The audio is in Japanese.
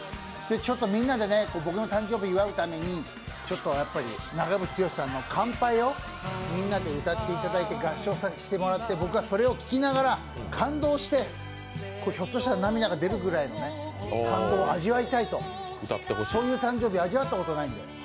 ちょっとみんなで僕の誕生日を祝うために長渕剛さんの「乾杯」をみんなで歌っていただいて、合唱して、僕はそれを聴きながら感動してひょっとしたら涙が出るくらいの感動を味わいたいと、そういう誕生日味わったことないので。